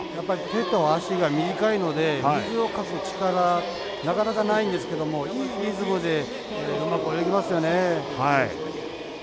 手と足が短いので水をかく力なかなか、ないんですけどもいいリズムでうまく泳ぎますよね。